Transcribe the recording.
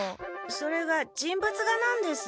それが人物画なんです。